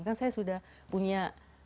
kan saya sudah punya